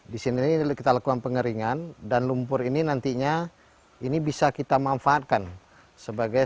di sini kita lakukan pengeringan dan lumpur ini nantinya ini bisa kita manfaatkan sebagai